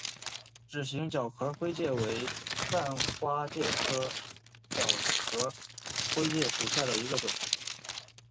指形角壳灰介为半花介科角壳灰介属下的一个种。